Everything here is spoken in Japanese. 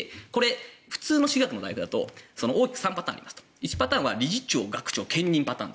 普通の私学の大学だと大きく３パターンあり１つは理事長、学長、兼任パターン。